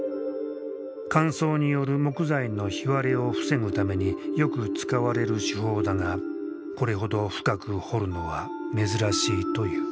乾燥による木材の干割れを防ぐためによく使われる手法だがこれほど深く彫るのは珍しいという。